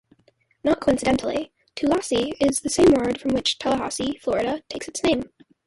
Not coincidentally, 'tulasi' is the same word from which Tallahassee, Florida takes its name.